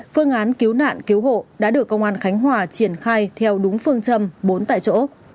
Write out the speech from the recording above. phương án cứu nạn cứu hộ đã được công an khánh hòa triển khai theo đúng phương châm bốn tại chỗ